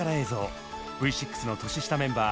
Ｖ６の年下メンバー